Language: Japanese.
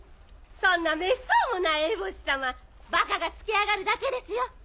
そんなめっそうもないエボシ様バカがつけあがるだけですよ。